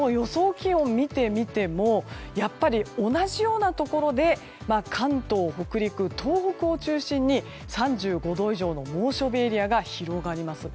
気温を見てみてもやっぱり同じようなところで関東、北陸、東北を中心に３５度以上の猛暑日エリアが広がります。